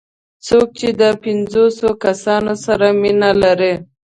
څوک چې د پنځوسو کسانو سره مینه لري.